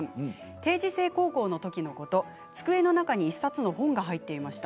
定時制高校のときのこと机の中に１冊の本が入っていました。